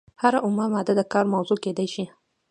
هره اومه ماده د کار موضوع کیدای شي.